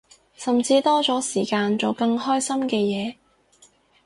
甚至多咗時間做更開心嘅嘢